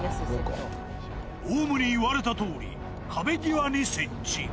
オウムに言われたとおり、壁際に設置。